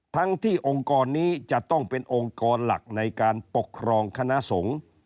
ทั้งที่องค์กรนี้จะต้องเป็นองค์กรหลักในการปกครองคณะสงฆ์